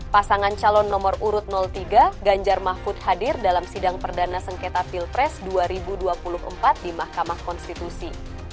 pasangan calon nomor urut tiga ganjar mahfud hadir dalam sidang perdana sengketa pilpres dua ribu dua puluh empat di mahkamah konstitusi